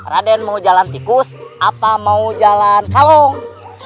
raden mau jalan tikus apa mau jalan kalung